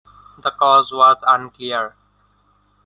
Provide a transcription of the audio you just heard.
The cause is unclear.